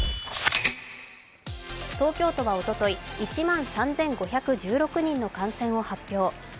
東京都はおととい１万３５１６人の感染を発表。